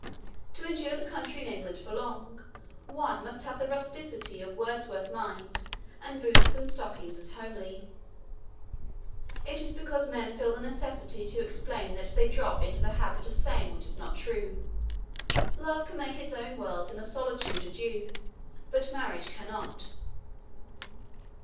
To endure the country in England for long, one must have the rusticity of Wordsworth's mind, and boots and stockings as homely. It is because men feel the necessity to explain that they drop into the habit of saying what is not true. Wise is the woman who never insists on an explanation. Love can make its own world in a solitude a deux, but marriage cannot.